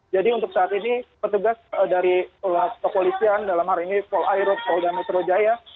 jadi untuk saat ini petugas dari polisian dalam hari ini polairut poldametro jaya